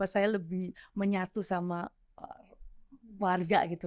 saya lebih menyatu sama warga gitu